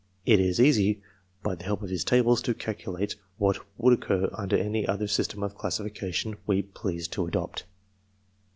It is easy, by the help of his tables, to calculate what would occur under any other system of classification we pleased to adopt.